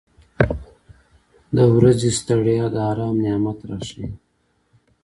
• د ورځې ستړیا د آرام نعمت راښیي.